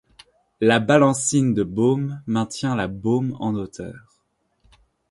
La balancine de bôme maintient la bôme en hauteur.